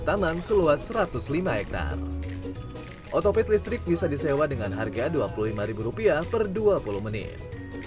taman seluas satu ratus lima hektare otopet listrik bisa disewa dengan harga dua puluh lima rupiah per dua puluh menit